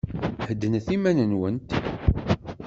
Heddnet iman-nwent.